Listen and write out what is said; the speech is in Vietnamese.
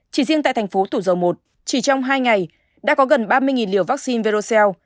chỉ riêng tại thành phố tủ dầu một chỉ trong hai ngày đã có gần ba mươi liều vaccine verocell